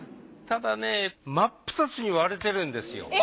ただね真っ二つに割れてるんですよ。